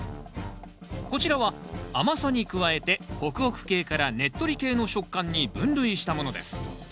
こちらは甘さに加えてホクホク系からねっとり系の食感に分類したものです。